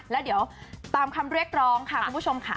แล้วเดี๋ยวตามคำเรียกร้องค่ะคุณผู้ชมค่ะ